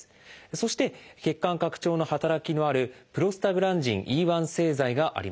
そして血管拡張の働きのあるプロスタグランジンＥ製剤があります。